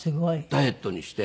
ダイエットして。